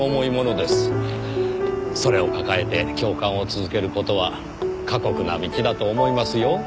それを抱えて教官を続ける事は過酷な道だと思いますよ。